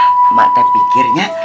ya mak teh pikirnya